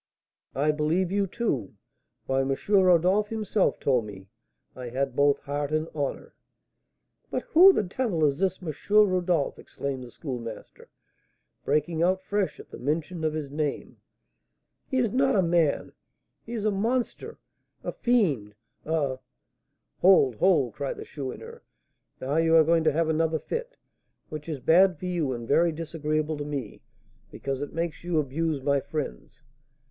"I believe you, too. Why, M. Rodolph himself told me I had both heart and honour." "But who the devil is this M. Rodolph?" exclaimed the Schoolmaster, breaking out fresh at the mention of his name. "He is not a man; he is a monster, a fiend, a " "Hold, hold!" cried the Chourineur. "Now you are going to have another fit, which is bad for you and very disagreeable to me, because it makes you abuse my friends.